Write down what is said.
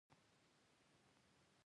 موږ پرمختګ غواړو